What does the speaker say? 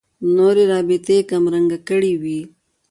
نورې رابطې یې کمرنګې کړې وي.